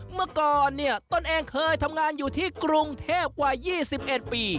เมื่อก่อนเนี่ยตนเองเคยทำงานอยู่ที่กรุงเทพกว่า๒๑ปี